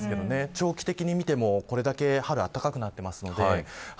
長期的に見ても春はこれだけ暖かくなっているので。